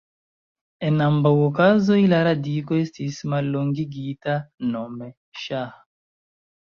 En ambaŭ okazoj la radiko estis mallongigita, nome ŝah.